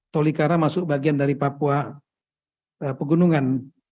tolikara masuk bagian dari papua pegunungan